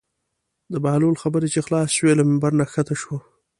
د بهلول خبرې چې خلاصې شوې له ممبر نه کښته شو.